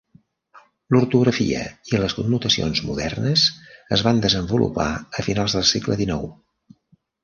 L'ortografia i les connotacions modernes es van desenvolupar a finals del segle XIX.